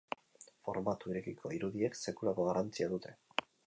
Formatu irekiko irudiek sekulako garrantzia dute.